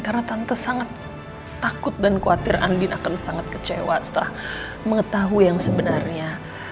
karena tante sangat takut dan khawatir andin akan sangat kecewa setelah mengetahui yang sebenarnya